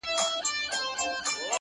چي نه عادت نه ضرورت وو مينا څه ډول وه